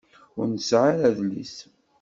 Ur nesεi ara adlis.